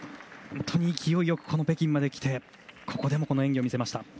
本当に勢いよく北京まで来てここでもいい演技を見せました。